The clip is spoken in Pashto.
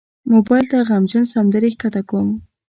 موبایل ته غمجن سندرې ښکته کوم.